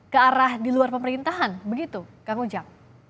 ke arah di luar pemerintahan begitu kang ujang